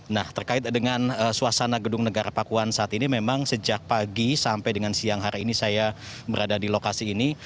nah terkait dengan suasana gedung negara pakuan saat ini memang sejak pagi sampai dengan siang hari ini saya berada di lokasi ini